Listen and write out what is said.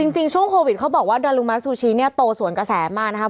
จริงช่วงโควิดเขาบอกว่าดารุมาซูชิเนี่ยโตสวนกระแสมากนะครับ